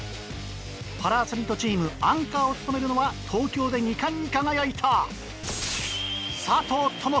パラアスリートチームアンカーを務めるのは東京で２冠に輝いた。